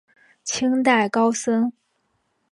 清代高僧。